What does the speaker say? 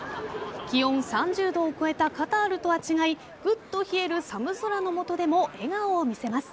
気温３０度を超えたカタールとは違いぐっと冷える寒空の下でも笑顔を見せます。